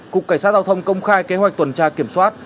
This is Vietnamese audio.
cục cảnh sát giao thông công khai kế hoạch tuần tra kiểm soát